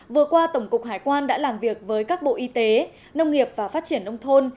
vừa qua tổng cục hải quan đã làm việc với các bộ y tế nông nghiệp và phát triển nông thôn